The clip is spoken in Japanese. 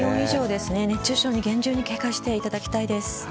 熱中症に厳重に警戒していただきたいです。